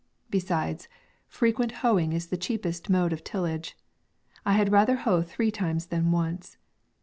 Besides, frequent hoeing is the easiest and MAY. 69 cheapest mode of tillage. I had rather hoe three times than once.